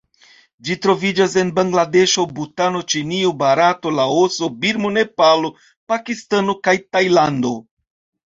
Ĝi troviĝas en Bangladeŝo, Butano, Ĉinio, Barato, Laoso, Birmo, Nepalo, Pakistano kaj Tajlando.